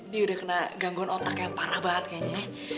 dia udah kena gangguan otak yang parah banget kayaknya